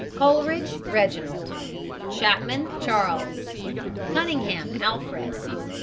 COLERIDGE, REGINALD, CHAPMAN, CHARLES. CUNNINGHAM, ALFRED.